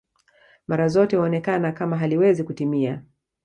Mara zote huonekana kama haliwezi kutimia